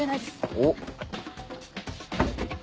おっ。